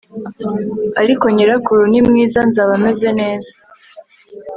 ariko nyirakuru ni mwiza, nzaba meze neza